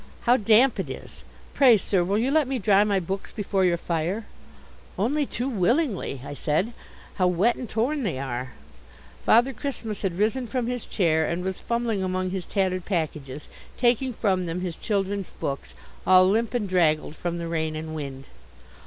How damp it is! Pray, sir, will you let me dry my books before your fire?" "Only too willingly," I said. "How wet and torn they are!" Father Christmas had risen from his chair and was fumbling among his tattered packages, taking from them his children's books, all limp and draggled from the rain and wind.